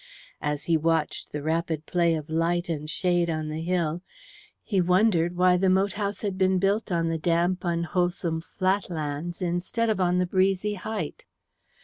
As he watched the rapid play of light and shade on the hill, he wondered why the moat house had been built on the damp unwholesome flat lands instead of on the breezy height.